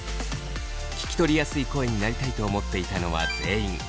聞き取りやすい声になりたいと思っていたのは全員。